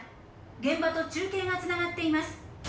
現場と中継がつながっています」。